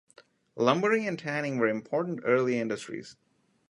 Lumbering and tanning were important early industries.